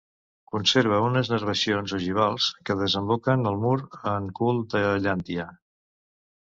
Conserva unes nervacions ogivals que desemboquen al mur en cul de llàntia.